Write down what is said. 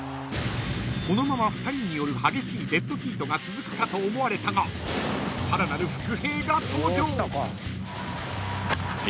［このまま２人による激しいデッドヒートが続くかと思われたがさらなる伏兵が登場］